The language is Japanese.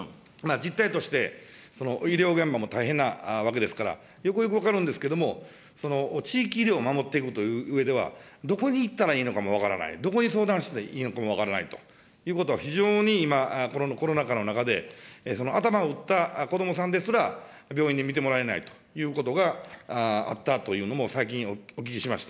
実態として、医療現場も大変なわけですから、よくよく分かるんですけど、地域医療を守っていくといううえでは、どこに行ったらいいのかも分からない、どこに相談したらいいのかも分からないと、非常に今、このコロナ禍の中で、頭を打った子どもさんですら、病院で診てもらえないということがあったというのも、最近お聞きしました。